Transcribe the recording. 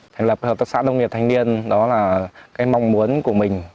thành lập hợp tác xã nông nghiệp thanh niên đó là cái mong muốn của mình